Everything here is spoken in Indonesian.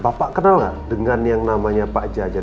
bapak kenal gak dengan yang namanya pak jajan